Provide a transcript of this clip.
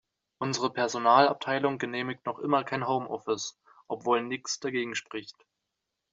Unsere Personalabteilung genehmigt noch immer kein Home-Office, obwohl nichts dagegen spricht.